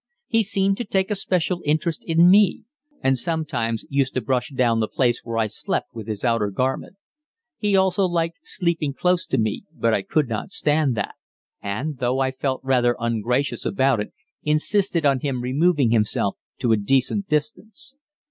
He seemed to take a special interest in me, and sometimes used to brush down the place where I slept with his outer garment. He also liked sleeping close to me, but I could not stand that, and, though I felt rather ungracious about it, insisted on him removing himself to a decent distance.